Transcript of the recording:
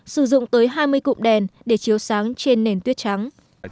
sử dụng tới hai mươi cụm đèn để chiếu sáng trên nền tuyết trắng